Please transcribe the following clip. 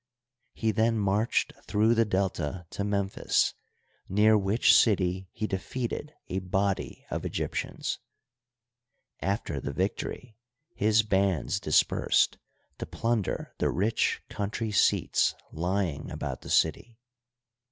He then marched through the Delta to Memphis, near which city he defeated a body of Egyptians. After the victory his bands dispersed to plunder the rich country seats lying about the city.